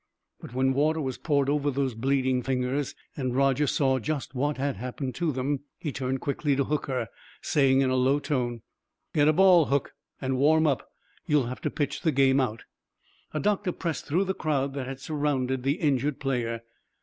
But when water was poured over those bleeding fingers and Roger saw just what had happened to them, he turned quickly to Hooker, saying in a low tone: "Get a ball, Hook, and warm up. You'll have to pitch the game out." A doctor pressed through the crowd that had surrounded the injured player.